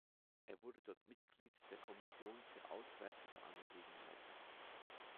Er wurde dort Mitglied der Kommission für auswärtige Angelegenheiten.